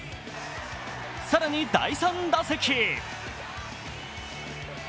更に第３打席。